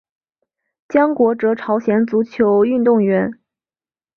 姜国哲朝鲜足球运动员。